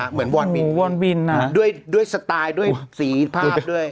เหมือนวอนวินวอนวินด้วยสไตล์ด้วยสีภาพด้วย